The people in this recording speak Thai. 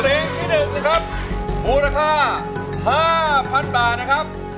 ลึกนึงนะครับมูลค่า๕๐๐๐บาทนะครับ